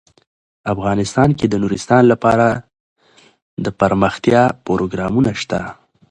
افغانستان کې د نورستان لپاره دپرمختیا پروګرامونه شته.